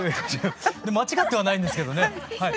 間違ってはないんですけどねはい。